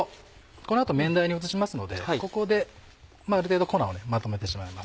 この後麺台に移しますのでここである程度粉をまとめてしまいます。